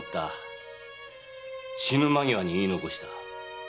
死ぬ間際に言い残した。